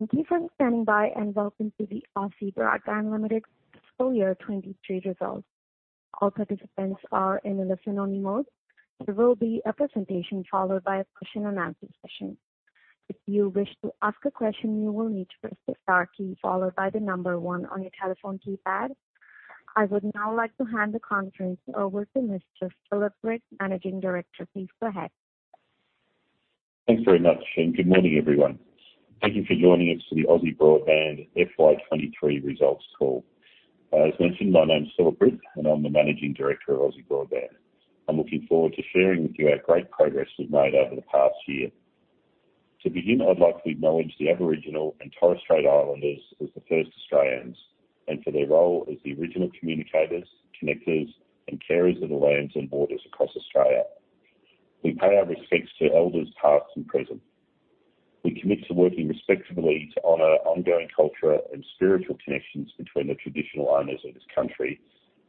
Thank you for standing by, and welcome to the Aussie Broadband Limited Full Year 2023 results. All participants are in a listen-only mode. There will be a presentation followed by a question and answer session. If you wish to ask a question, you will need to press the star key followed by the number one on your telephone keypad. I would now like to hand the conference over to Mr. Phillip Britt, Managing Director. Please go ahead. Thanks very much, and good morning, everyone. Thank you for joining us for the Aussie Broadband FY 2023 results call. As mentioned, my name is Phillip Britt, and I'm the Managing Director of Aussie Broadband. I'm looking forward to sharing with you our great progress we've made over the past year. To begin, I'd like to acknowledge the Aboriginal and Torres Strait Islanders as the first Australians, and for their role as the original communicators, connectors, and carers of the lands and waters across Australia. We pay our respects to elders, past and present. We commit to working respectfully to honor ongoing culture and spiritual connections between the traditional owners of this country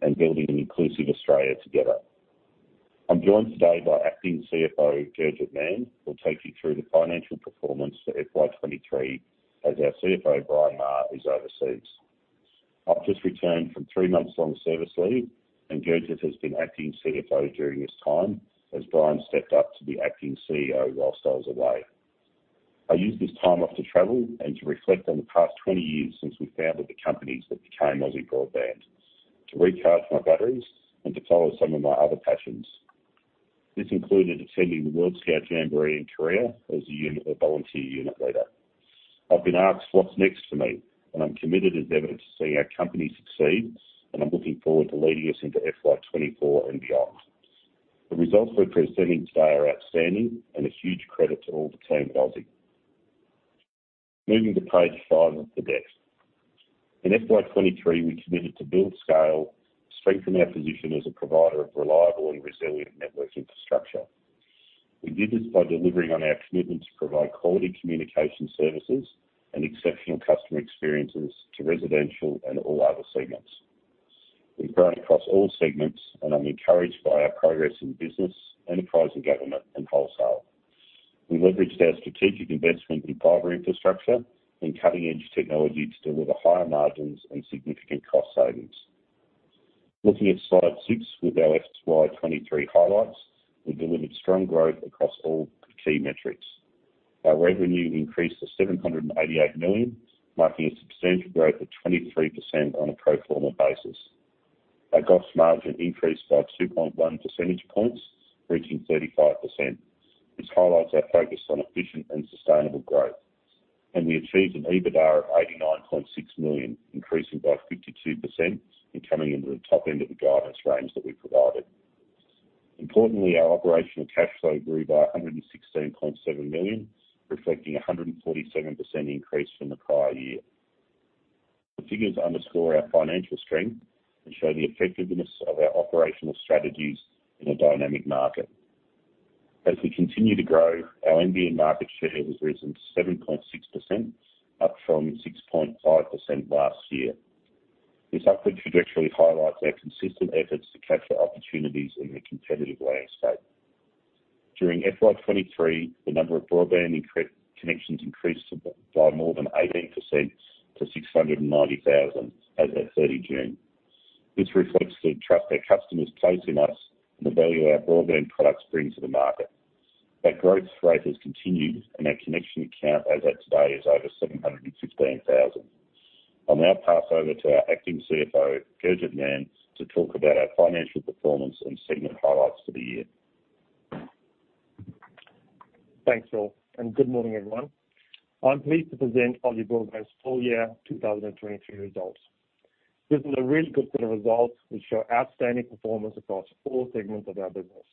and building an inclusive Australia together. I'm joined today by Acting CFO, Gurjit Mann, who'll take you through the financial performance for FY 2023, as our CFO, Brian Maher, is overseas. I've just returned from three months long service leave, and Gurjit has been acting CFO during this time, as Brian stepped up to be acting CEO while I was away. I used this time off to travel and to reflect on the past 20 years since we founded the company that became Aussie Broadband, to recharge my batteries and to follow some of my other passions. This included attending the World Scout Jamboree in Korea as a unit, a volunteer unit leader. I've been asked what's next for me, and I'm committed and devoted to seeing our company succeed, and I'm looking forward to leading us into FY 2024 and beyond. The results we're presenting today are outstanding and a huge credit to all the Team Aussie. Moving to page five of the deck. In FY 2023, we committed to build scale, strength from our position as a provider of reliable and resilient network infrastructure. We did this by delivering on our commitment to provide quality communication services and exceptional customer experiences to residential and all other segments. We've grown across all segments, and I'm encouraged by our progress in business, enterprise and government, and wholesale. We leveraged our strategic investment in fiber infrastructure and cutting-edge technology to deliver higher margins and significant cost savings. Looking at slide six with our FY 2023 highlights, we delivered strong growth across all key metrics. Our revenue increased to 788 million, marking a substantial growth of 23% on a pro forma basis. Our Gross margin increased by 2.1 percentage points, reaching 35%. This highlights our focus on efficient and sustainable growth, and we achieved an EBITDA of 89.6 million, increasing by 52% and coming into the top end of the guidance range that we provided. Importantly, our operational cash flow grew by 116.7 million, reflecting a 147% increase from the prior year. The figures underscore our financial strength and show the effectiveness of our operational strategies in a dynamic market. As we continue to grow, our NBN market share has risen to 7.6%, up from 6.5% last year. This upward trajectory highlights our consistent efforts to capture opportunities in the competitive landscape. During FY 2023, the number of broadband connections increased by more than 18% to 690,000 as at June 30th. This reflects the trust our customers place in us and the value our broadband products bring to the market. That growth rate has continued, and our connection count as at today is over 716,000. I'll now pass over to our acting CFO, Gurjit Mann, to talk about our financial performance and segment highlights for the year. Thanks, Phil, and good morning, everyone. I'm pleased to present Aussie Broadband's full year 2023 results. This is a really good set of results, which show outstanding performance across all segments of our business.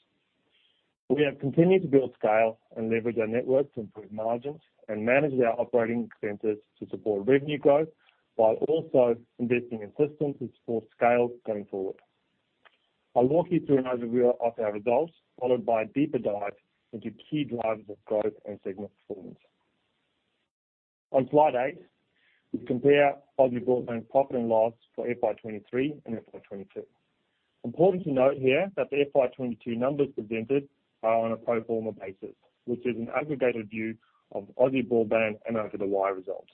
We have continued to build scale and leverage our network to improve margins and manage our operating expenses to support revenue growth, while also investing in systems to support scale going forward. I'll walk you through an overview of our results, followed by a deeper dive into key drivers of growth and segment performance. On slide eight, we compare Aussie Broadband's profit and loss for FY 2023 and FY 2022. Important to note here that the FY 2022 numbers presented are on a pro forma basis, which is an aggregated view of Aussie Broadband and Over the Wire results.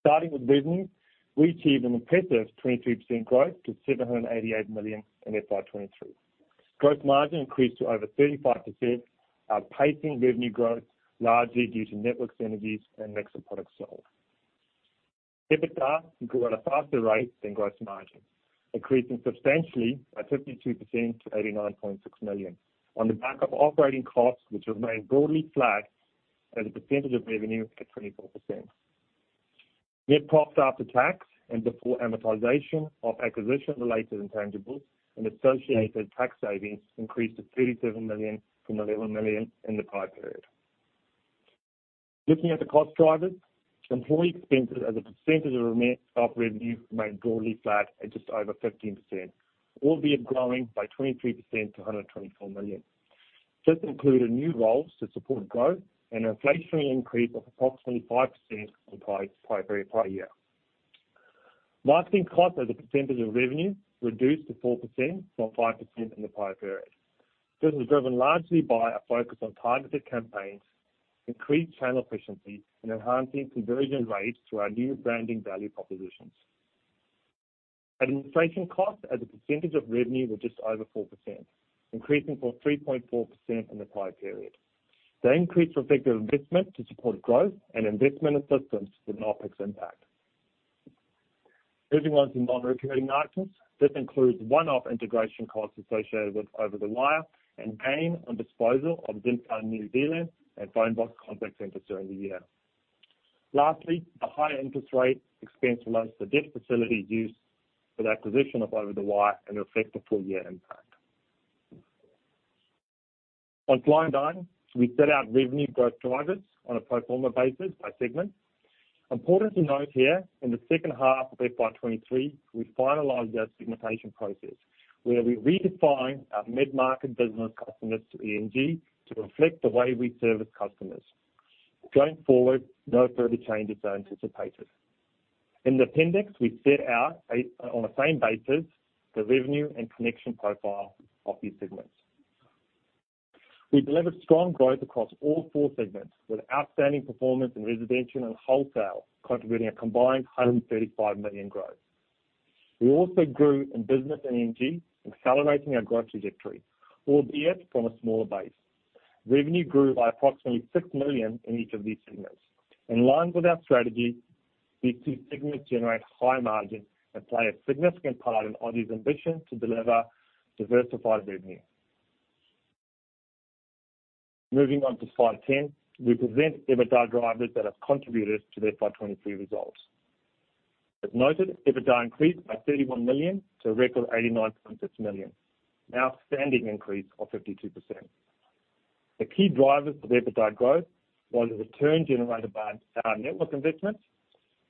Starting with business, we achieved an impressive 22% growth to 788 million in FY 2023. Gross margin increased to over 35%, outpacing revenue growth, largely due to network synergies and mix of products sold. EBITDA grew at a faster rate than gross margin, increasing substantially by 52% to 89.6 million, on the back of operating costs, which remained broadly flat as a percentage of revenue at 24%. Net profits after tax and before amortization of acquisition-related intangibles and associated tax savings increased to 37 million from 11 million in the prior period. Looking at the cost drivers, employee expenses as a percentage of revenue remained broadly flat at just over 15%, albeit growing by 23% to 124 million. This included new roles to support growth and an inflationary increase of approximately 5% compared to prior, prior year. Marketing costs as a percentage of revenue reduced to 4% from 5% in the prior period. This was driven largely by our focus on targeted campaigns, increased channel efficiency, and enhancing conversion rates through our new branding value propositions. Administration costs as a percentage of revenue were just over 4%, increasing from 3.4% in the prior period. They increased reflective investment to support growth and investment in systems with an OpEx impact. Moving on to non-recurring items. This includes one-off integration costs associated with Over the Wire and gain on disposal of Vodafone New Zealand and Fonebox contact centers during the year. Lastly, the higher interest rate expense relates to debt facility use for the acquisition of Over the Wire and reflect the full year impact. On slide nine, we set out revenue growth drivers on a pro forma basis by segment. Important to note here, in the second half of FY 2023, we finalized our segmentation process, where we redefined our mid-market business customers to E&G to reflect the way we service customers. Going forward, no further changes are anticipated. In the appendix, we set out on the same basis, the revenue and connection profile of these segments. We delivered strong growth across all four segments, with outstanding performance in residential and wholesale, contributing a combined 135 million growth. We also grew in business and E&G, accelerating our growth trajectory, albeit from a smaller base. Revenue grew by approximately 6 million in each of these segments. In line with our strategy, these two segments generate high margins and play a significant part in Aussie's ambition to deliver diversified revenue. Moving on to Slide 10, we present EBITDA drivers that have contributed to the FY 2023 results. As noted, EBITDA increased by 31 million to a record 89.6 million, an outstanding increase of 52%. The key drivers for the EBITDA growth was the return generated by our network investments.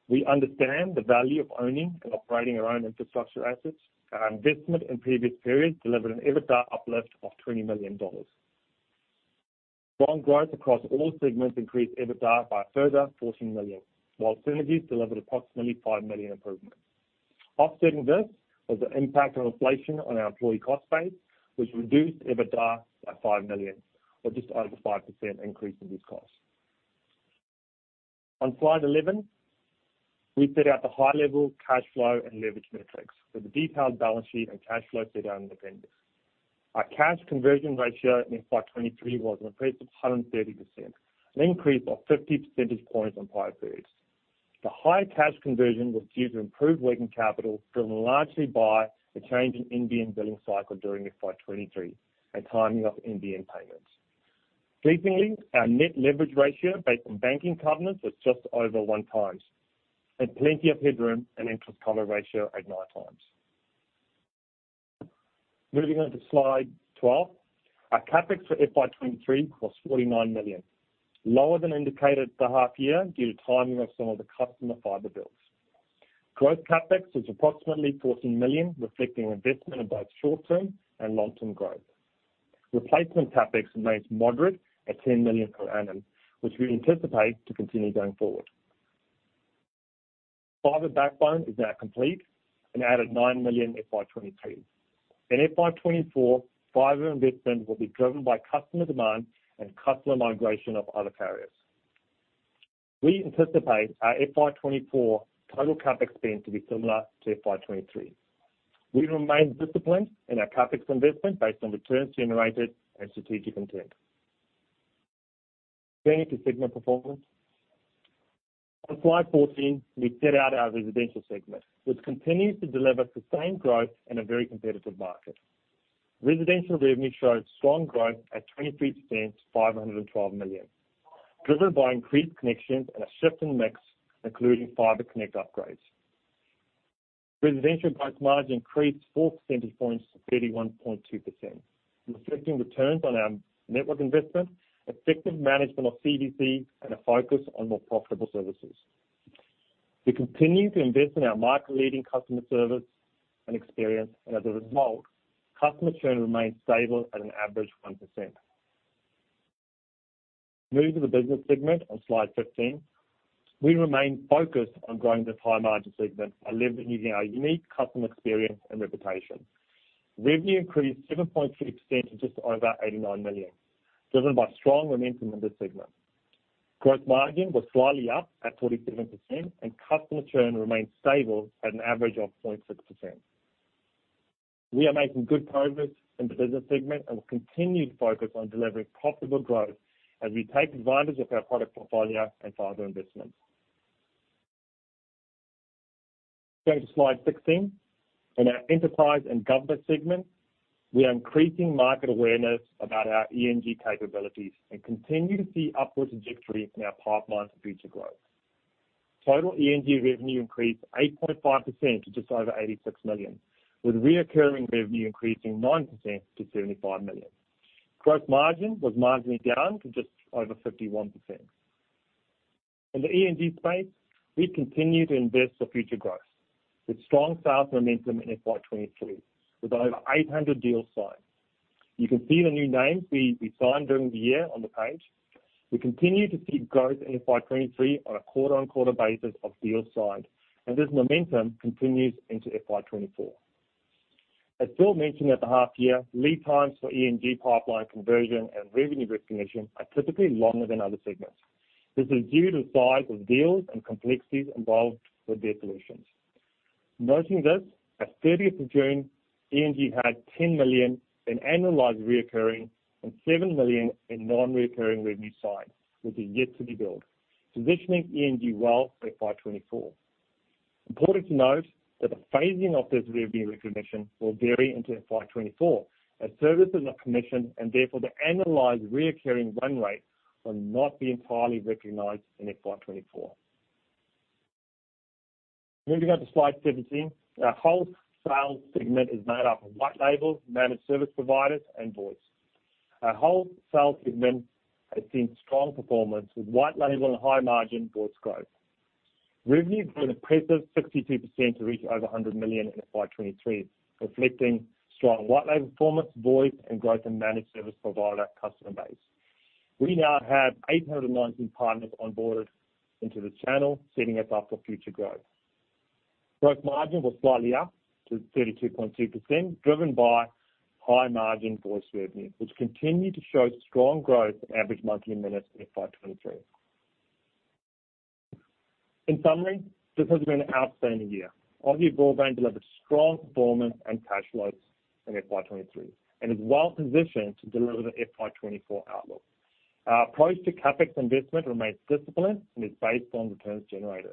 We understand the value of owning and operating our own infrastructure assets. Our investment in previous periods delivered an EBITDA uplift of 20 million dollars. Strong growth across all segments increased EBITDA by a further 14 million, while synergies delivered approximately 5 million improvement. Offsetting this was the impact of inflation on our employee cost base, which reduced EBITDA by 5 million, or just over 5% increase in these costs. On Slide 11, we set out the high-level cash flow and leverage metrics with the detailed balance sheet and cash flow set out in appendix. Our cash conversion ratio in FY 2023 was an increase of 130%, an increase of 50 percentage points on prior periods. The high cash conversion was due to improved working capital, driven largely by the change in NBN billing cycle during the FY 2023 and timing of NBN payments. Pleasingly, our net leverage ratio based on banking covenants was just over 1x, and plenty of headroom and interest cover ratio at 9x. Moving on to Slide 12. Our CapEx for FY 2023 was 49 million, lower than indicated at the half year, due to timing of some of the customer fiber builds. Growth CapEx is approximately 14 million, reflecting investment in both short-term and long-term growth. Replacement CapEx remains moderate at 10 million per annum, which we anticipate to continue going forward. Fiber backbone is now complete and added 9 million in FY 2022. In FY 2024, fiber investment will be driven by customer demand and customer migration of other carriers. We anticipate our FY 2024 total CapEx spend to be similar to FY 2023. We remain disciplined in our CapEx investment based on returns generated and strategic intent. Turning to segment performance. On Slide 14, we set out our residential segment, which continues to deliver sustained growth in a very competitive market. Residential revenue showed strong growth at 23% to 512 million, driven by increased connections and a shift in mix, including fiber connect upgrades. Residential growth margin increased four percentage points to 31.2%, reflecting returns on our network investment, effective management of CVC, and a focus on more profitable services. We continue to invest in our market-leading customer service and experience, and as a result, customer churn remains stable at an average 1%. Moving to the Business segment on Slide 15. We remain focused on growing this high-margin segment and leveraging our unique customer experience and reputation. Revenue increased 7.6% to just over 89 million, driven by strong momentum in this segment. Gross margin was slightly up at 47%, and customer churn remained stable at an average of 0.6%. We are making good progress in the Business segment and will continue to focus on delivering profitable growth as we take advantage of our product portfolio and fiber investments. Going to Slide 16. In our Enterprise and Government segment, we are increasing market awareness about our E&G capabilities and continue to see upward trajectory in our pipeline for future growth. Total E&G revenue increased 8.5% to just over 86 million, with recurring revenue increasing 9% to 75 million. Gross margin was marginally down to just over 51%. In the E&G space, we continue to invest for future growth, with strong sales momentum in FY 2023, with over 800 deals signed.... You can see the new names we signed during the year on the page. We continue to see growth in FY 2023 on a quarter-on-quarter basis of deals signed, and this momentum continues into FY 2024. As Phil mentioned at the half year, lead times for E&G pipeline conversion and revenue recognition are typically longer than other segments. This is due to the size of deals and complexities involved with their solutions. Noting this, at June 30th, E&G had 10 million in annualize recurring and 7 million in non-recurring revenue signed, which is yet to be billed, positioning E&G well for FY 2024. Important to note that the phasing of this revenue recognition will vary into FY 2024 as services are commissioned, and therefore the annualized recurring run rate will not be entirely recognized in FY 2024. Moving on to Slide 17. Our wholesale segment is made up of white label, managed service providers, and voice. Our wholesale segment has seen strong performance, with white label and high margin voice growth. Revenue grew an impressive 62% to reach over 100 million in FY 2023, reflecting strong white label performance, voice, and growth in managed service provider customer base. We now have 819 partners onboarded into the channel, setting us up for future growth. Gross margin was slightly up to 32.2%, driven by high-margin voice revenue, which continued to show strong growth in average monthly minutes in FY 2023. In summary, this has been an outstanding year. Aussie Broadband delivered strong performance and cash flows in FY 2023 and is well positioned to deliver the FY 2024 outlook. Our approach to CapEx investment remains disciplined and is based on returns generated.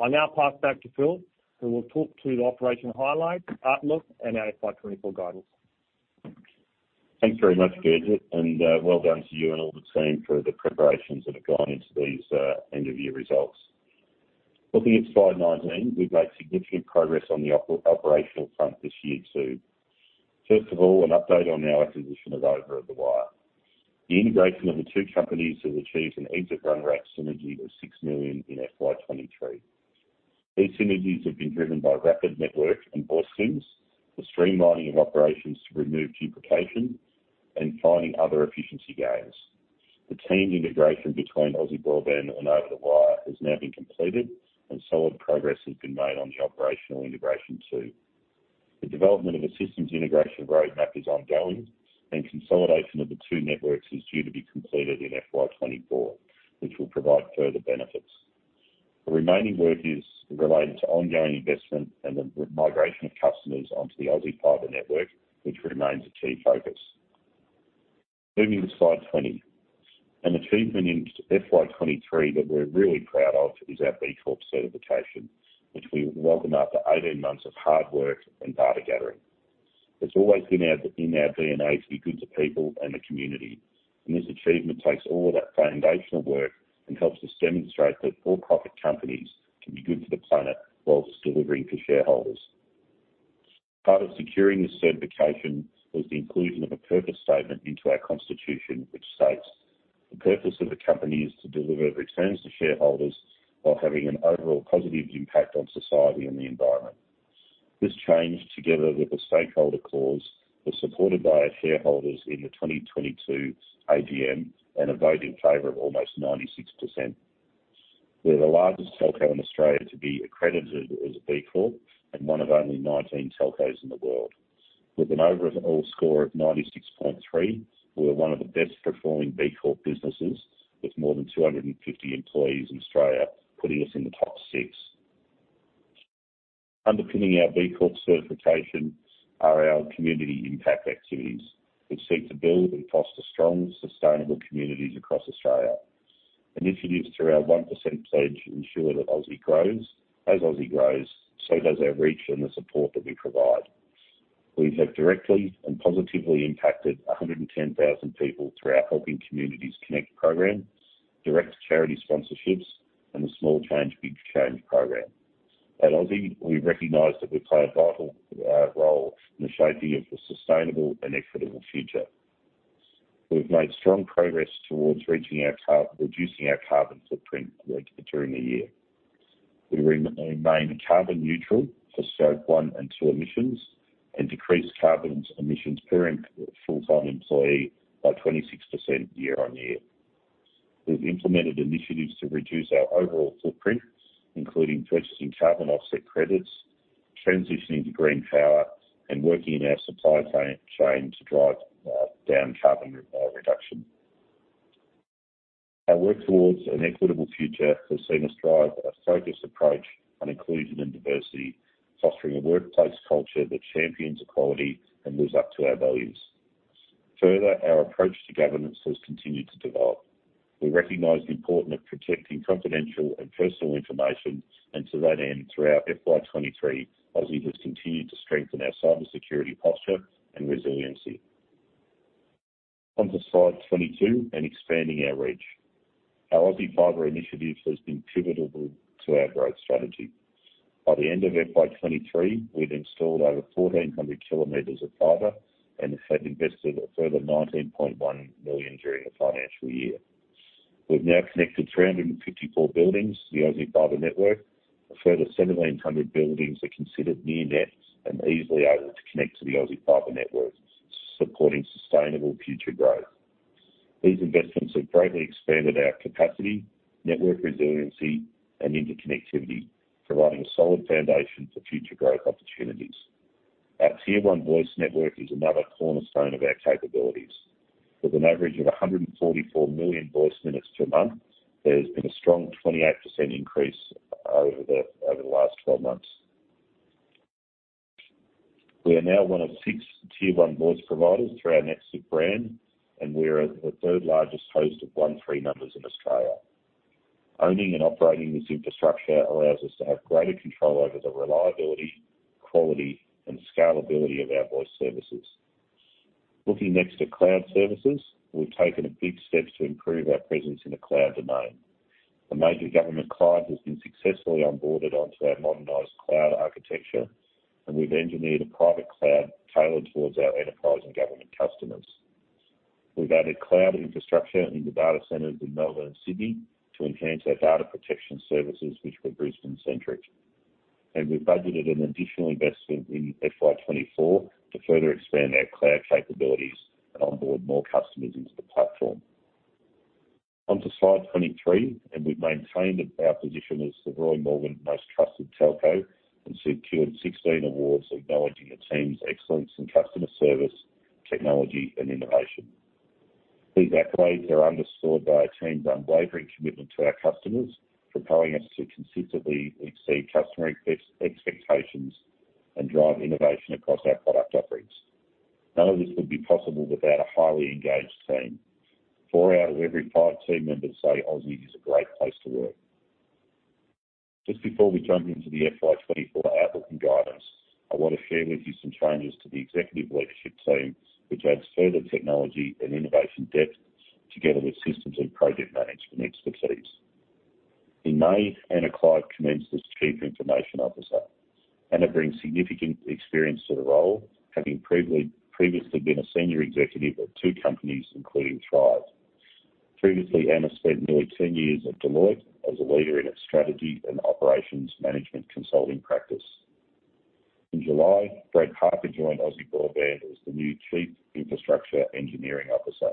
I'll now pass back to Phil, who will talk to the operational highlights, outlook, and our FY 2024 guidance. Thanks very much, Gurjit, and well done to you and all the team for the preparations that have gone into these end-of-year results. Looking at Slide 19, we've made significant progress on the operational front this year, too. First of all, an update on our acquisition of Over the Wire. The integration of the two companies has achieved an exit run rate synergy of 6 million in FY 2023. These synergies have been driven by rapid network and voice SIMs, the streamlining of operations to remove duplication, and finding other efficiency gains. The team integration between Aussie Broadband and Over the Wire has now been completed, and solid progress has been made on the operational integration, too. The development of a systems integration roadmap is ongoing, and consolidation of the two networks is due to be completed in FY 2024, which will provide further benefits. The remaining work is related to ongoing investment and the migration of customers onto the Aussie Fibre network, which remains a key focus. Moving to Slide 20. An achievement in FY 2023 that we're really proud of is our B Corp certification, which we welcomed after 18 months of hard work and data gathering. It's always been in our DNA to be good to people and the community, and this achievement takes all of that foundational work and helps us demonstrate that for-profit companies can be good for the planet while delivering for shareholders. Part of securing this certification was the inclusion of a purpose statement into our constitution, which states: "The purpose of the company is to deliver returns to shareholders while having an overall positive impact on society and the environment." This change, together with the stakeholder clause, was supported by our shareholders in the 2022 AGM, and a vote in favor of almost 96%. We're the largest telco in Australia to be accredited as a B Corp and one of only 19 telcos in the world. With an overall score of 96.3%, we're one of the best performing B Corp businesses, with more than 250 employees in Australia, putting us in the top six. Underpinning our B Corp certification are our community impact activities, which seek to build and foster strong, sustainable communities across Australia. Initiatives through our 1% pledge ensure that Aussie grows. As Aussie grows, so does our reach and the support that we provide. We have directly and positively impacted 110,000 people through our Helping Communities Connect program, direct charity sponsorships, and the Small Change, Big Change program. At Aussie, we recognize that we play a vital role in the shaping of a sustainable and equitable future. We've made strong progress towards reducing our carbon footprint during the year. We remain carbon neutral for scope one and two emissions, and decreased carbon emissions per full-time employee by 26% year on year. We've implemented initiatives to reduce our overall footprint, including purchasing carbon offset credits, transitioning to green power, and working in our supply chain to drive down carbon reduction. Our work towards an equitable future has seen us drive a focused approach on inclusion and diversity, fostering a workplace culture that champions equality and lives up to our values. Further, our approach to governance has continued to develop. We recognize the importance of protecting confidential and personal information, and to that end, throughout FY 2023, Aussie has continued to strengthen our cybersecurity posture and resiliency. Onto Slide 22 and expanding our reach. Our Aussie Fibre initiative has been pivotal to our growth strategy. By the end of FY 2023, we'd installed over 1,400 kilometers of fiber and had invested a further 19.1 million during the financial year.... We've now connected 354 buildings to the Aussie Fibre network. A further 1,700 buildings are considered near net and easily able to connect to the Aussie Fibre network, supporting sustainable future growth. These investments have greatly expanded our capacity, network resiliency, and interconnectivity, providing a solid foundation for future growth opportunities. Our Tier 1 voice network is another cornerstone of our capabilities. With an average of 144 million voice minutes per month, there's been a strong 28% increase over the last 12 months. We are now one of six Tier 1 voice providers through our NetSIP brand, and we are the third largest host of 13 numbers in Australia. Owning and operating this infrastructure allows us to have greater control over the reliability, quality, and scalability of our voice services. Looking next at cloud services, we've taken big steps to improve our presence in the cloud domain. A major government client has been successfully onboarded onto our modernized cloud architecture, and we've engineered a private cloud tailored towards our enterprise and government customers. We've added cloud infrastructure in the data centers in Melbourne and Sydney to enhance our data protection services, which were Brisbane-centric. We've budgeted an additional investment in FY 2024 to further expand our cloud capabilities and onboard more customers into the platform. Onto Slide 23, and we've maintained our position as the Roy Morgan most trusted telco, and secured 16 awards acknowledging the team's excellence in customer service, technology, and innovation. These accolades are underscored by our team's unwavering commitment to our customers, propelling us to consistently exceed customer expectations and drive innovation across our product offerings. None of this would be possible without a highly engaged team. Four out of every five team members say Aussie is a great place to work. Just before we jump into the FY 2024 outlook and guidance, I want to share with you some changes to the executive leadership team, which adds further technology and innovation depth, together with systems and project management expertise. In May, Anna Clive commenced as Chief Information Officer, and have brought significant experience to the role, having previously been a senior executive at two companies, including Thryv. Previously, Anna spent nearly 10 years at Deloitte as a leader in its strategy and operations management consulting practice. In July, Brad Parker joined Aussie Broadband as the new Chief Infrastructure Engineering Officer.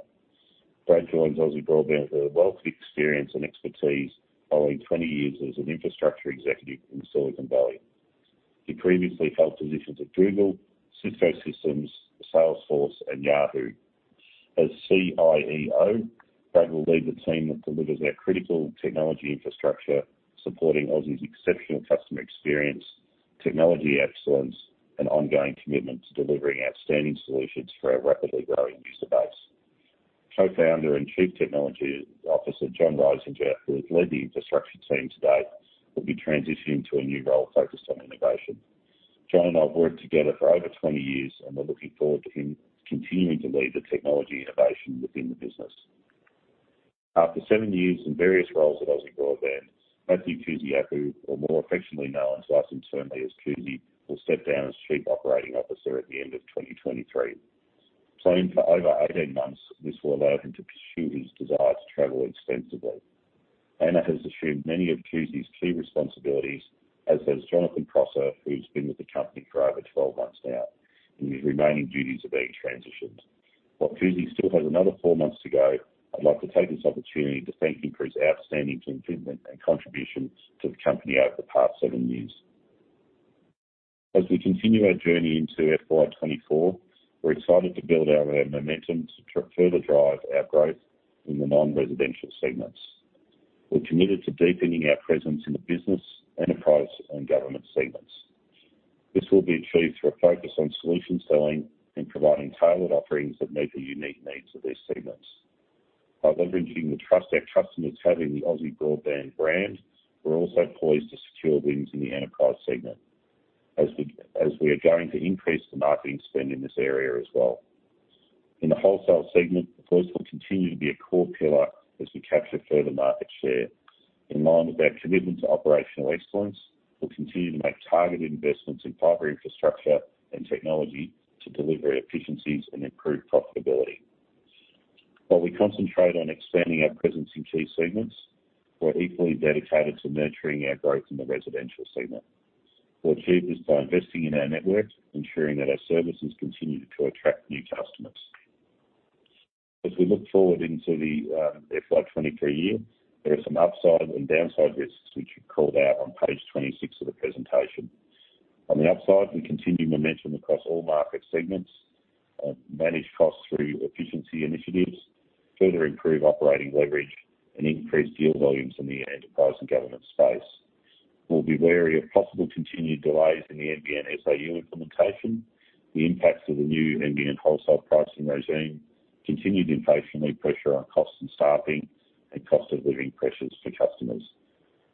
Brad joins Aussie Broadband with a wealth of experience and expertise, following 20 years as an infrastructure executive in Silicon Valley. He previously held positions at Google, Cisco Systems, Salesforce, and Yahoo. As CIEO, Brad will lead the team that delivers our critical technology infrastructure, supporting Aussie's exceptional customer experience, technology excellence, and ongoing commitment to delivering outstanding solutions for our rapidly growing user base. Co-founder and Chief Technology Officer, John Reisinger, who has led the infrastructure team to date, will be transitioning to a new role focused on innovation. John and I have worked together for over 20 years, and we're looking forward to him continuing to lead the technology innovation within the business. After seven years in various roles at Aussie Broadband, Matthew Kusi-Appauh, or more affectionately known to us internally as Kusi, will step down as Chief Operating Officer at the end of 2023. Planned for over 18 months, this will allow him to pursue his desire to travel extensively. Anna has assumed many of Kusi's key responsibilities, as has Jonathan Prosser, who's been with the company for over 12 months now, and his remaining duties are being transitioned. While Kusi still has another four months to go, I'd like to take this opportunity to thank him for his outstanding commitment and contributions to the company over the past seven years. As we continue our journey into FY 2024, we're excited to build out our momentum to further drive our growth in the non-residential segments. We're committed to deepening our presence in the business, enterprise, and government segments. This will be achieved through a focus on solution selling and providing tailored offerings that meet the unique needs of these segments. By leveraging the trust our customers have in the Aussie Broadband brand, we're also poised to secure wins in the enterprise segment as we are going to increase the marketing spend in this area as well. In the wholesale segment, voice will continue to be a core pillar as we capture further market share. In line with our commitment to operational excellence, we'll continue to make targeted investments in fiber infrastructure and technology to deliver efficiencies and improve profitability. While we concentrate on expanding our presence in key segments, we're equally dedicated to nurturing our growth in the residential segment. We'll achieve this by investing in our network, ensuring that our services continue to attract new customers. As we look forward into the FY 2023 year, there are some upside and downside risks, which we called out on Page 26 of the presentation. On the upside, we continue momentum across all market segments, manage costs through efficiency initiatives, further improve operating leverage, and increase deal volumes in the enterprise and government space. We'll be wary of possible continued delays in the NBN SAU implementation, the impacts of the new NBN wholesale pricing regime, continued inflationary pressure on costs and staffing, and cost of living pressures for customers.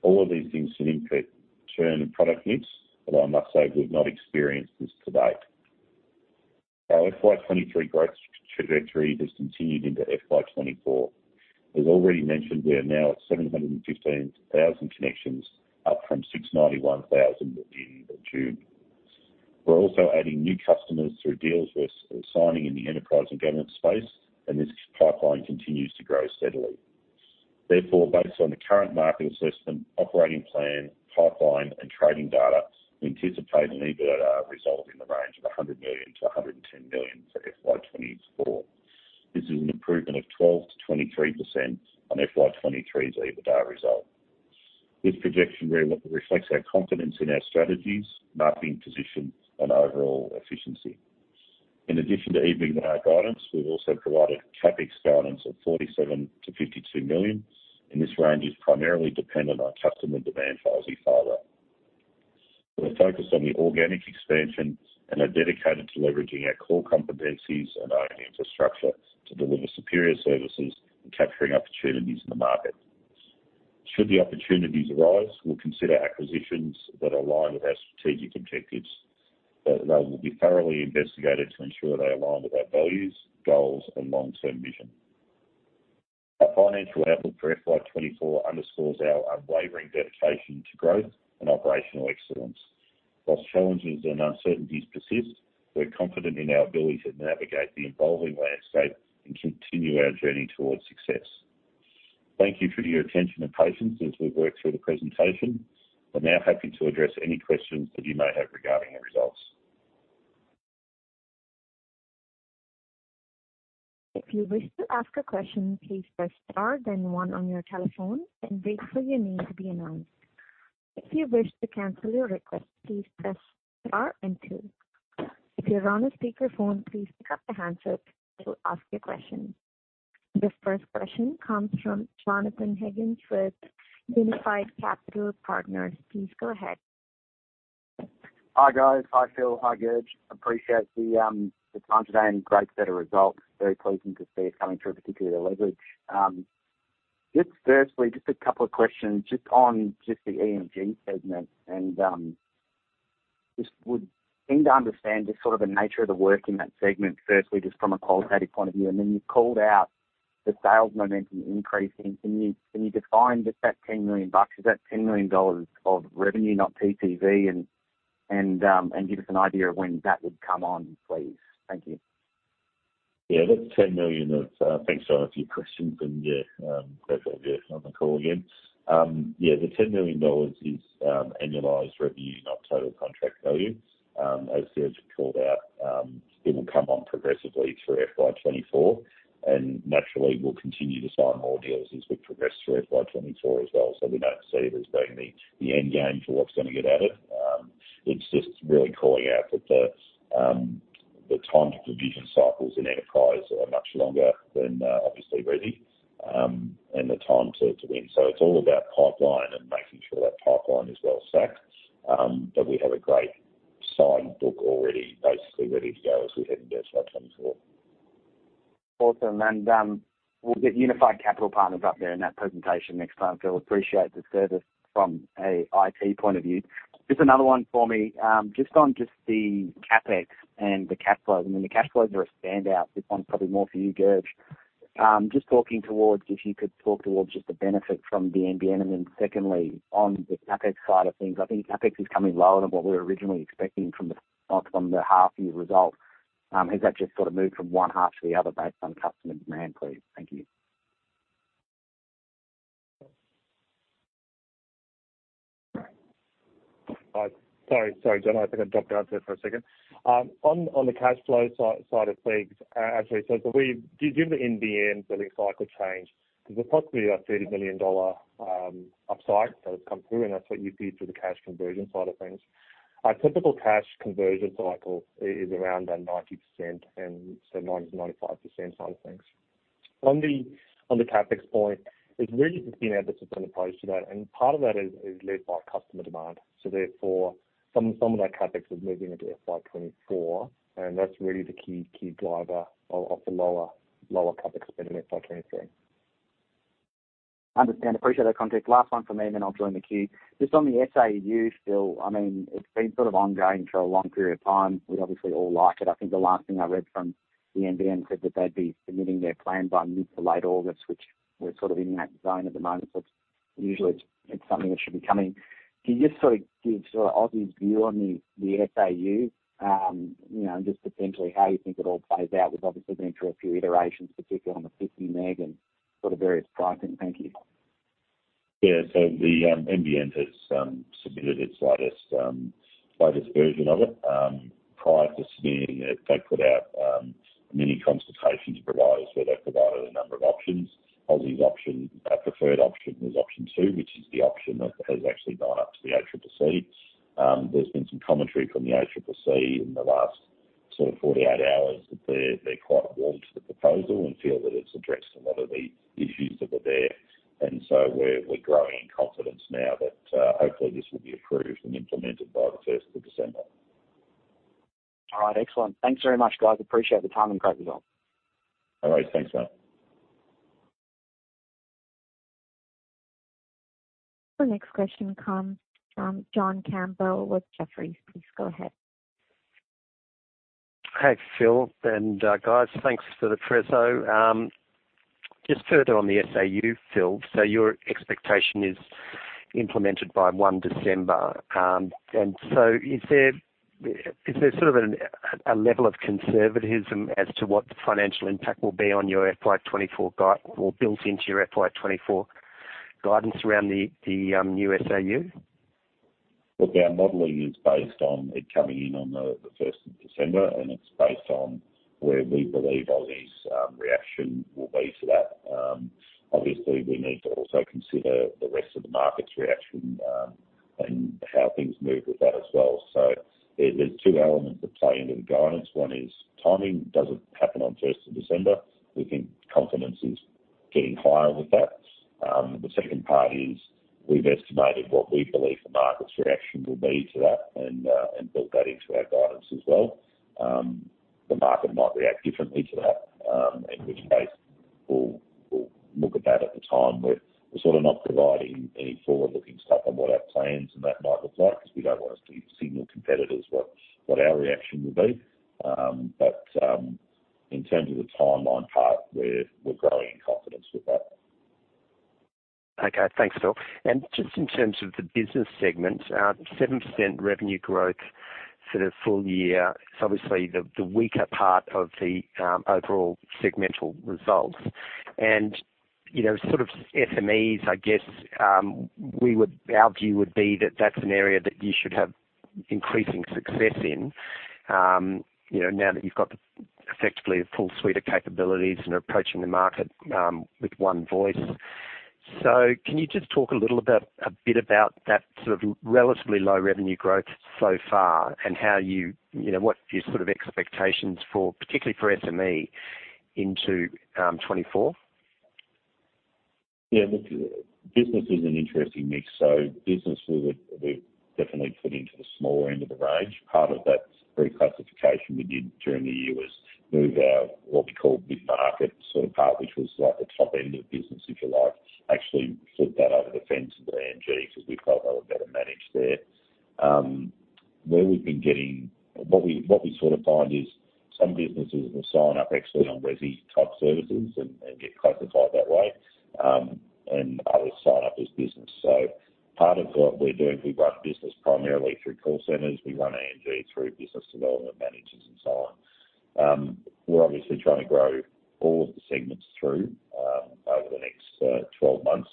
All of these things can impact churn and product mix, although I must say we've not experienced this to date. Our FY 2023 growth trajectory has continued into FY 2024. As already mentioned, we are now at 715,000 connections, up from 691,000 in June. We're also adding new customers through deals we're signing in the enterprise and government space, and this pipeline continues to grow steadily. Therefore, based on the current market assessment, operating plan, pipeline, and trading data, we anticipate an EBITDA result in the range of 100 million-110 million for FY 2024. This is an improvement of 12%-23% on FY 2023's EBITDA result. This projection really reflects our confidence in our strategies, marketing position, and overall efficiency. In addition to EBITDA guidance, we've also provided CapEx guidance of 47 million-52 million, and this range is primarily dependent on customer demand for Aussie Fibre. We're focused on the organic expansion and are dedicated to leveraging our core competencies and owning infrastructure to deliver superior services and capturing opportunities in the market. Should the opportunities arise, we'll consider acquisitions that align with our strategic objectives. They will be thoroughly investigated to ensure they align with our values, goals, and long-term vision. Our financial outlook for FY 2024 underscores our unwavering dedication to growth and operational excellence. While challenges and uncertainties persist, we're confident in our ability to navigate the evolving landscape and continue our journey towards success. Thank you for your attention and patience as we've worked through the presentation. We're now happy to address any questions that you may have regarding our results. If you wish to ask a question, please press Star, then one on your telephone and wait for your name to be announced. If you wish to cancel your request, please press Star and two. If you're on a speakerphone, please pick up the handset to ask your question. The first question comes from Jonathan Higgins with Unified Capital Partners. Please go ahead. Hi, guys. Hi, Phil. Hi, Gurj. Appreciate the time today and great set of results. Very pleasing to see it coming through, particularly the leverage. Just firstly, just a couple of questions just on just the E&G segment, and just would need to understand just sort of the nature of the work in that segment, firstly, just from a qualitative point of view, and then you called out the sales momentum increasing. Can you, can you define just that 10 million bucks? Is that 10 million dollars of revenue, not PTV, and, and, and give us an idea of when that would come on, please. Thank you. Yeah, that's 10 million. Thanks, John, for your questions, and, yeah, great to have you on the call again. Yeah, the 10 million dollars is annualized revenue, not total contract value. As Gurj called out, it will come on progressively through FY 2024, and naturally, we'll continue to sign more deals as we progress through FY 2024 as well. So we don't see it as being the end game for what's going to get at it. It's just really calling out that the time to provision cycles in enterprise are much longer than, obviously, ready, and the time to win. So it's all about pipeline and making sure that pipeline is well stacked, but we have a great signed book already, basically ready to go as we head into FY 2024. Awesome. And, we'll get Unified Capital Partners up there in that presentation next time, Phil. Appreciate the service from a IT point of view. Just another one for me, just on just the CapEx and the cash flows. I mean, the cash flows are a standout. This one's probably more for you, Gurj. Just talking towards if you could talk towards just the benefit from the NBN, and then secondly, on the CapEx side of things, I think CapEx is coming lower than what we were originally expecting from the, from the half year results. Has that just sort of moved from one half to the other based on customer demand, please? Thank you. Sorry, sorry, John. I think I dropped out there for a second. On the cash flow side of things, as we said, due to the NBN billing cycle change, there's approximately 30 million dollar upside that has come through, and that's what you see on the cash conversion side of things. Our typical cash conversion cycle is around 90% and so 90%-95% side of things. On the CapEx point, it's really just been a different approach to that, and part of that is led by customer demand. So therefore, some of that CapEx is moving into FY 2024, and that's really the key driver of the lower CapEx spend in FY 2023. Understand. Appreciate that context. Last one for me, and then I'll join the queue. Just on the SAU, Phil, I mean, it's been sort of ongoing for a long period of time. We'd obviously all like it. I think the last thing I read from the NBN said that they'd be submitting their plan by mid to late August, which we're sort of in that zone at the moment. So usually, it's something that should be coming. Can you just sort of give sort of Aussie's view on the SAU, you know, and just essentially how you think it all plays out? We've obviously been through a few iterations, particularly on the 50 Meg and sort of various pricing. Thank you. Yeah. So the NBN has submitted its latest, latest version of it. Prior to seeing it, they put out many consultations providers, where they provided a number of options. Aussie's option, preferred option, was option 2, which is the option that has actually gone up to the ACCC. There's been some commentary from the ACCC in the last sort of 48 hours, that they're quite warm to the proposal and feel that it's addressed a lot of the issues that were there. And so we're growing in confidence now that hopefully this will be approved and implemented by the first of December. All right, excellent. Thanks very much, guys. Appreciate the time and great result. All right. Thanks, John. The next question comes from John Campbell with Jefferies. Please go ahead.... Hey, Phil, and guys, thanks for the preso. Just further on the SAU, Phil, so your expectation is implemented by December 1st. And so is there, is there sort of an, a, a level of conservatism as to what the financial impact will be on your FY 2024 guide or built into your FY 2024 guidance around the, the new SAU? Look, our modeling is based on it coming in on the first of December, and it's based on where we believe Aussie's reaction will be to that. Obviously, we need to also consider the rest of the market's reaction, and how things move with that as well. So there's two elements that play into the guidance. One is timing. Does it happen on first of December? We think confidence is getting higher with that. The second part is we've estimated what we believe the market's reaction will be to that and and built that into our guidance as well. The market might react differently to that, in which case we'll look at that at the time, where we're sort of not providing any forward-looking stuff on what our plans and that might look like because we don't want to signal competitors what our reaction will be. But in terms of the timeline part, we're growing in confidence with that. Okay, thanks, Phil. And just in terms of the business segment, seven percent revenue growth for the full year is obviously the weaker part of the overall segmental results. And, you know, sort of SMEs, I guess, we would—our view would be that that's an area that you should have increasing success in, you know, now that you've got effectively a full suite of capabilities and approaching the market with one voice. So can you just talk a little about, a bit about that sort of relatively low revenue growth so far, and how you... You know, what your sort of expectations for, particularly for SME, into 2024? Yeah, look, business is an interesting mix. So business we've definitely put into the smaller end of the range. Part of that reclassification we did during the year was move our, what we call mid-market sort of part, which was like the top end of the business, if you like, actually flipped that over the fence into the E&G because we felt they were better managed there. Where we've been getting what we sort of find is some businesses will sign up actually on resi type services and get classified that way, and others sign up as business. So part of what we're doing, we run business primarily through call centers. We run E&G through business development managers and so on. We're obviously trying to grow all of the segments through over the next 12 months.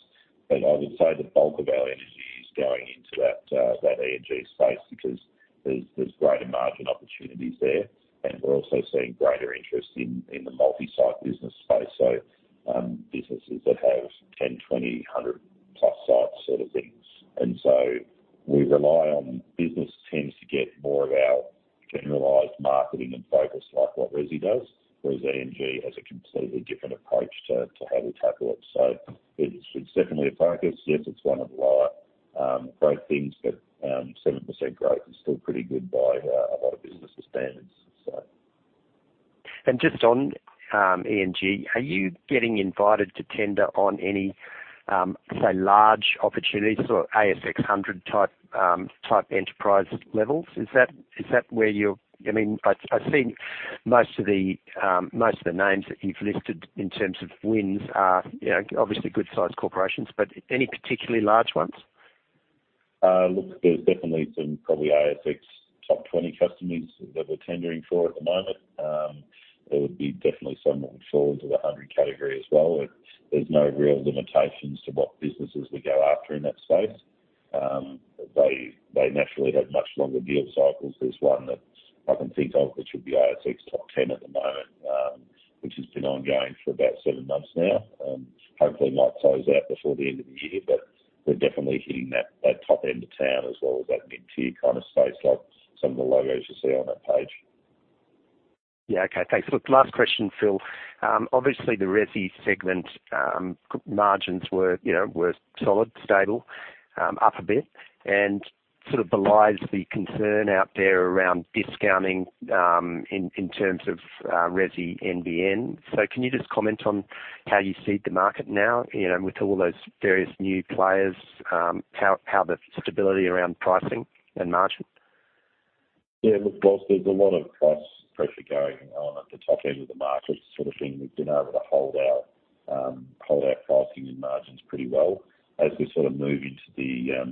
But I would say the bulk of our energy is going into that, that E&G space, because there's, there's greater margin opportunities there, and we're also seeing greater interest in, in the multi-site business space. So, businesses that have 10, 20, 100 plus sites sort of things. And so we rely on business teams to get more of our generalized marketing and focus, like what resi does, whereas E&G has a completely different approach to, to how we tackle it. So it's, it's definitely a focus. Yes, it's one of the lower, growth things, but, 7% growth is still pretty good by, a lot of businesses' standards, so. Just on E&G, are you getting invited to tender on any, say, large opportunities or ASX hundred type enterprise levels? Is that where you're—I mean, I've seen most of the names that you've listed in terms of wins are, you know, obviously good-sized corporations, but any particularly large ones? Look, there's definitely some probably ASX top 20 customers that we're tendering for at the moment. There would be definitely some that fall into the 100 category as well. There's no real limitations to what businesses we go after in that space. They, they naturally have much longer deal cycles. There's one that I can think of, which would be ASX top 10 at the moment, which has been ongoing for about seven months now. Hopefully, might close out before the end of the year, but we're definitely hitting that, that top end of town as well as that mid-tier kind of space, like some of the logos you see on that page. Yeah. Okay, thanks. Look, last question, Phil. Obviously, the resi segment, margins were, you know, solid, stable, up a bit and sort of belies the concern out there around discounting, in terms of resi NBN. So can you just comment on how you see the market now, you know, with all those various new players, how the stability around pricing and margin? Yeah, look, boss, there's a lot of price pressure going on at the top end of the market, sort of thing. We've been able to hold our pricing and margins pretty well. As we sort of move into the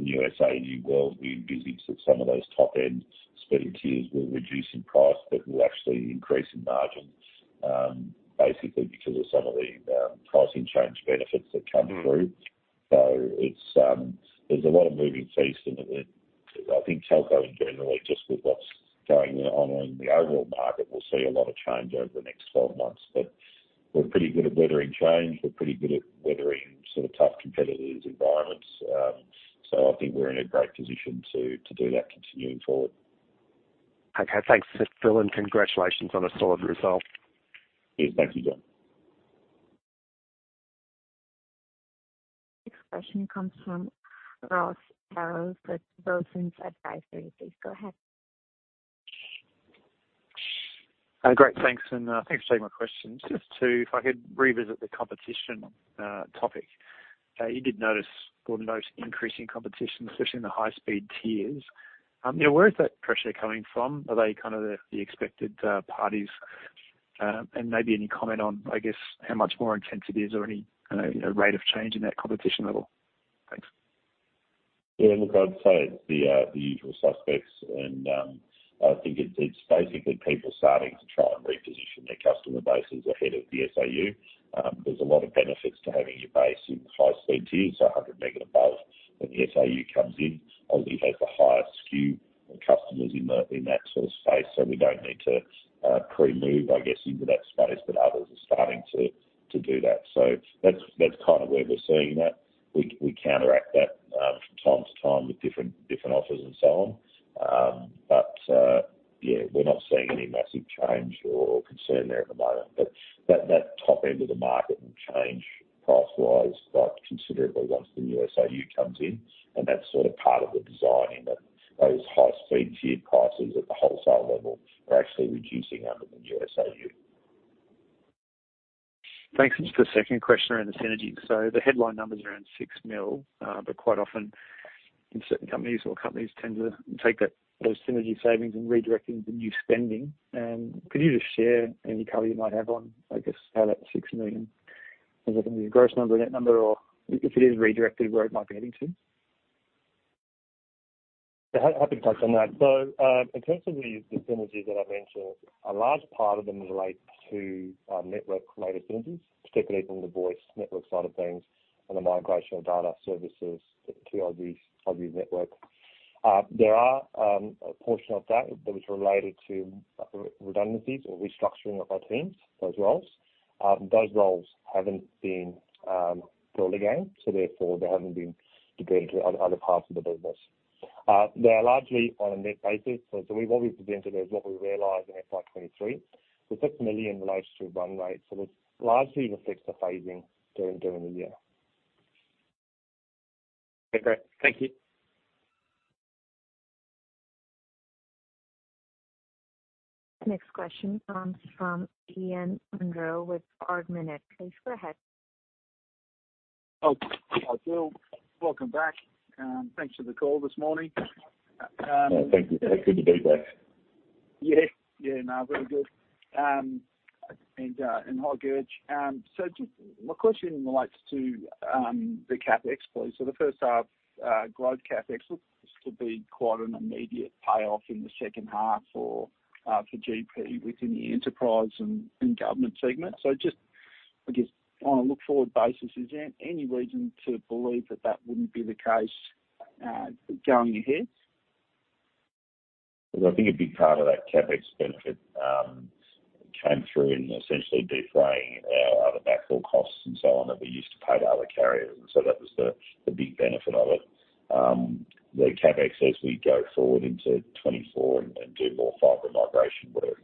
new SAU world, we envisage that some of those top-end spending tiers will reduce in price but will actually increase in margin, basically because of some of the pricing change benefits that come through. Mm. So it's, there's a lot of moving parts in it. I think telco in general, just with what's going on in the overall market, will see a lot of change over the next 12 months. But we're pretty good at weathering change. We're pretty good at weathering sort of tough competitive environments, so I think we're in a great position to, to do that continuing forward. Okay, thanks, Phil, and congratulations on a solid result. Yes, thank you, John. Next question comes from Ross Harris with Wilsons Advisory. Please go ahead. Great, thanks, and thanks for taking my questions. Just to... If I could revisit the competition topic. You did notice or notice increasing competition, especially in the high speed tiers. You know, where is that pressure coming from? Are they kind of the, the expected parties? And maybe any comment on, I guess, how much more intense it is or any, you know, rate of change in that competition level? Thanks. Yeah, look, I'd say the usual suspects, and I think it's basically people starting to try and reposition their customer bases ahead of the SAU. There's a lot of benefits to having your base in high-speed tiers, 100 mega above, when the SAU comes in, obviously has the highest SKU and customers in that sort of space. So we don't need to pre-move, I guess, into that space, but others are starting to do that. So that's kind of where we're seeing that. We counteract that from time to time with different offers and so on. But yeah, we're not seeing any massive change or concern there at the moment. But that top end of the market will change price-wise, quite considerably once the new SAU comes in, and that's sort of part of the design in that those high-speed tier prices at the wholesale level are actually reducing under the new SAU. Thanks. Just a second question around the synergies. The headline numbers are around 6 million, but quite often in certain companies or companies tend to take that, those synergy savings and redirect into new spending. And could you just share any color you might have on, I guess, how that 6 million, is it gonna be a gross number, net number, or if it is redirected, where it might be heading to? Yeah, happy to touch on that. So, in terms of the synergies that I mentioned, a large part of them relate to network-related synergies, particularly from the voice network side of things and the migration of data services to Aussie's, Aussie network. There are a portion of that which related to redundancies or restructuring of our teams, those roles. Those roles haven't been built again, so therefore they haven't been deployed to other parts of the business. They are largely on a net basis. So what we've presented is what we realized in FY 2023. The 6 million relates to run rate, so this largely reflects the phasing during the year. Okay, great. Thank you. Next question comes from Ian Munro with Ord Minnet. Please go ahead. Oh, hi, Phil. Welcome back, and thanks for the call this morning. Thank you. Good to be back. Yeah. Yeah, no, very good. And hi, Gurj. So just my question relates to the CapEx, please. So the first half globe CapEx looks to be quite an immediate payoff in the second half for GP within the enterprise and government segment. So just, I guess, on a look-forward basis, is there any reason to believe that that wouldn't be the case going ahead? Well, I think a big part of that CapEx benefit came through in essentially defraying our other backhaul costs and so on, that we used to pay to other carriers, and so that was the big benefit of it. The CapEx, as we go forward into 2024 and do more fiber migration work,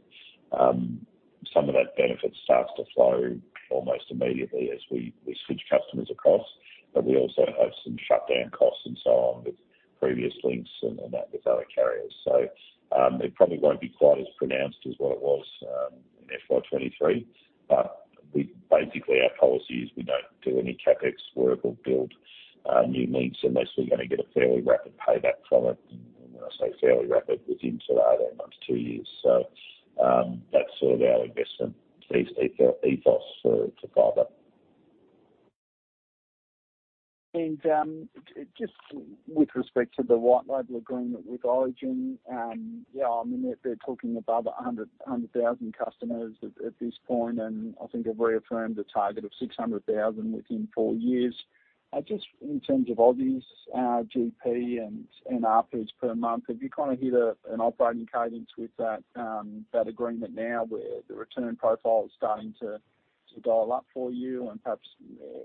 some of that benefit starts to flow almost immediately as we switch customers across. But we also have some shutdown costs and so on with previous links and that with other carriers. So, it probably won't be quite as pronounced as what it was in FY 2023. But we basically, our policy is we don't do any CapEx work or build new links unless we're gonna get a fairly rapid payback from it. And when I say fairly rapid, within sort of 18 months to two years. That's sort of our investment ethos for fiber. Just with respect to the white label agreement with Origin, yeah, I mean, they're, they're talking about 100,000 customers at this point, and I think they've reaffirmed the target of 600,000 within four years. Just in terms of Aussie's GP and RPs per month, have you kind of hit an operating cadence with that agreement now, where the return profile is starting to dial up for you and perhaps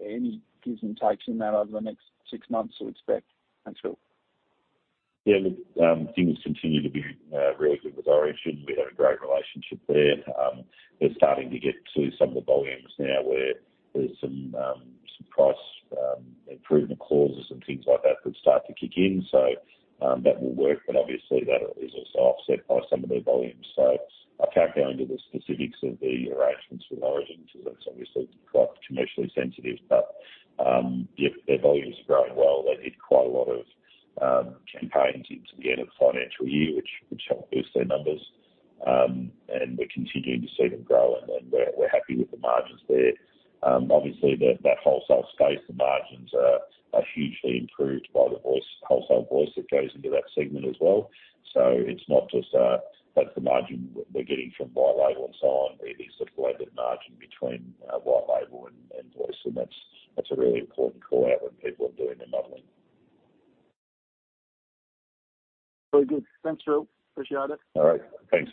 any gives and takes in that over the next six months to expect? Thanks, Phil. Yeah, look, things continue to be really good with Origin. We have a great relationship there. They're starting to get to some of the volumes now where there's some price improvement clauses and things like that, that start to kick in. So, that will work, but obviously that is also offset by some of their volumes. So I can't go into the specifics of the arrangements with Origin. That's obviously quite commercially sensitive, but, yep, their volumes are growing well. They did quite a lot of campaigns into the end of the financial year, which helped boost their numbers. And we're continuing to see them grow, and then we're happy with the margins there. Obviously, that wholesale space, the margins are hugely improved by the voice, wholesale voice that goes into that segment as well. So it's not just, but the margin we're getting from White Label and so on, there is sort of a blend of margin between White Label and voice, and that's, that's a really important call-out when people are doing their modeling. Very good. Thanks, Phil. Appreciate it. All right. Thanks,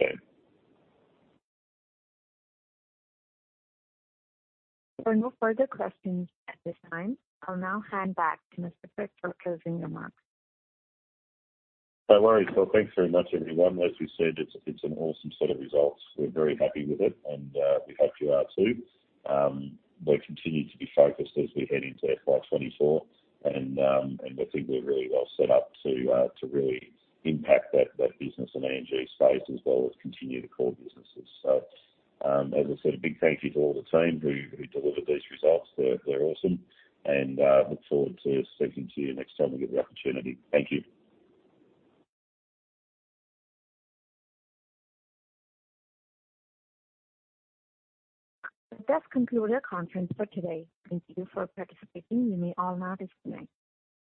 Ian. There are no further questions at this time. I'll now hand back to Mr. Britt for closing remarks. No worries. Well, thanks very much, everyone. As we said, it's an awesome set of results. We're very happy with it, and we hope you are too. We continue to be focused as we head into FY 2024, and we think we're really well set up to really impact that business and E&G space, as well as continue the core businesses. So, as I said, a big thank you to all the team who delivered these results. They're awesome, and look forward to speaking to you next time we get the opportunity. Thank you. That concludes our conference for today. Thank you for participating. You may all now disconnect.